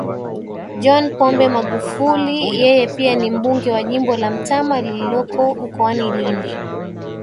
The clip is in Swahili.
John Pombe Magufuli Yeye pia ni mbunge wa jimbo la Mtama lililoko mkoani Lindi